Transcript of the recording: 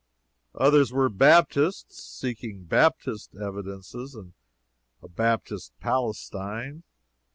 Others were Baptists, seeking Baptist evidences and a Baptist Palestine.